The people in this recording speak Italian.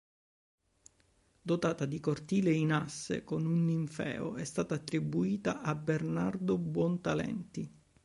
Dotata di cortile in asse con un ninfeo, è stata attribuita a Bernardo Buontalenti.